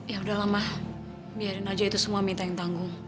ya udahlah ma biarin aja itu semua mita yang tanggung